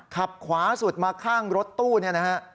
ขับขวาสุดมาข้างรถตู้เนี่ยนะฮะ